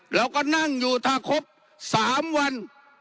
แล้วก็นั่งอยู่ทะครบสามวัน